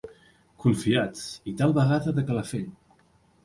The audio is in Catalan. Confiat, i tal vegada de Calafell.